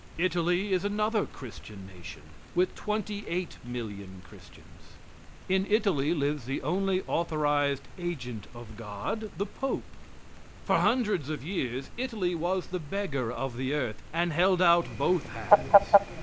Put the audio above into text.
Italy is another Christian nation, with 28,000,000 Christians. In Italy lives the only authorized agent of God, the pope. For hundreds of years Italy was the beggar of the earth, and held out both hands.